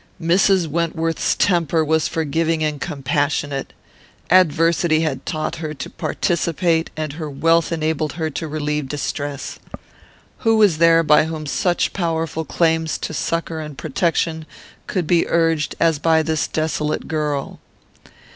Mrs. Wentworth's temper was forgiving and compassionate. Adversity had taught her to participate and her wealth enabled her to relieve distress. Who was there by whom such powerful claims to succour and protection could be urged as by this desolate girl?